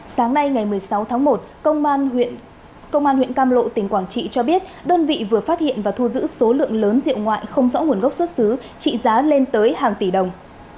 sáng nay ngày một mươi sáu tháng một công an huyện cam lộ tỉnh quảng trị cho biết đơn vị vừa phát hiện và thu giữ số lượng lớn rượu ngoại không rõ nguồn gốc xuất xứ trị giá lên tới hàng tỷ đồng